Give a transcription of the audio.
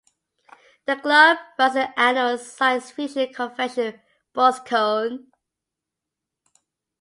The club runs an annual science fiction convention, Boskone.